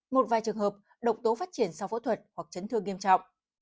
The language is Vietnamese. một vài trường hợp độc tố phát triển sau phẫu thuật hoặc chấn thương nghiêm trọng